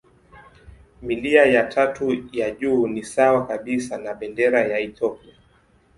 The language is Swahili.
Milia ya tatu ya juu ni sawa kabisa na bendera ya Ethiopia.